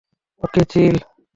ওকে, চিল!